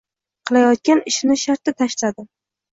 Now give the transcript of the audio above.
Qilayotgan ishimni shartta tashladim